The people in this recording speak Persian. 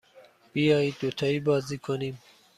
بیایید دوتایی بازی کنیم.